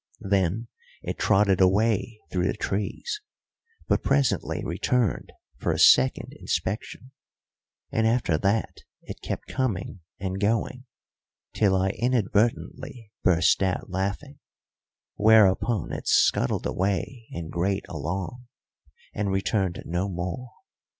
Then it trotted away through the trees, but presently returned for a second inspection; and after that it kept coming and going, till I inadvertently burst out laughing, whereupon it scuttled away in great alarm, and returned no more.